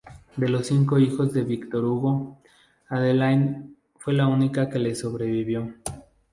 De los cinco hijos de Victor Hugo, Adele fue la única que le sobrevivió.